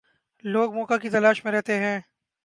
لوگ موقع کی تلاش میں رہتے ہیں۔